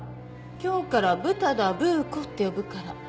今日からブタ田ブー子って呼ぶから